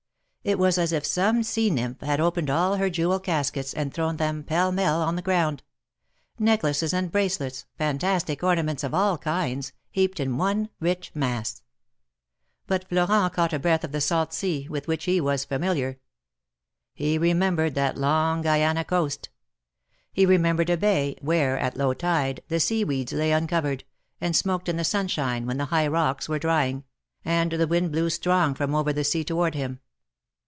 It was as if some sea nymph had opened all her jewel caskets and thrown them pell mell on the ground — necklaces and bracelets, fantastic ornaments of all kinds, heaped in one rich mass. But Florent caught a breath of the salt sea, with which he was familiar. He remembered that long Guiana coast. He remembered a bay, where, at low tide, the sea weeds lay uncovered, and smoked in the sunshine, when the high rocks were drying, and the wind blew strong from over the sea toward him.